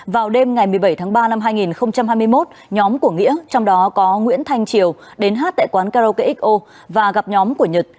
vào đêm ngày một mươi bảy tháng ba năm hai nghìn hai mươi một nhóm của nghĩa trong đó có nguyễn thanh triều đến hát tại quán karaoke xo và gặp nhóm của nhật